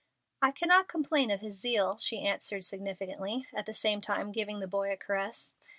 "I cannot complain of his zeal," she answered significantly, at the same time giving the boy a caress.